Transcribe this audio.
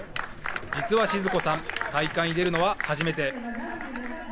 実は静子さん大会に出るのは初めて。